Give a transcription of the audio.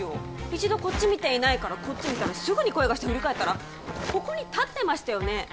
一度こっち見ていないからこっち見たらすぐに声がして振り返ったらここに立ってましたよね？